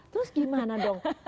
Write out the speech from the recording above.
terus bagaimana dong